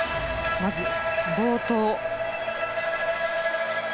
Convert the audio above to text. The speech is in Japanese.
まず冒頭。